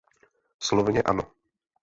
Slovně ano.